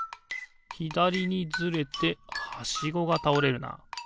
ひだりにずれてはしごがたおれるな。